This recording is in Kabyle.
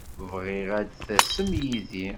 Bɣiɣ ad d-tasem yid-i.